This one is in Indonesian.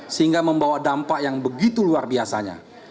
sehingga membawa dampak yang begitu luar biasanya